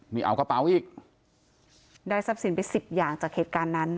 นี่เอากระเป๋าอีกได้ทรัพย์สินไปสิบอย่างจากเหตุการณ์นั้น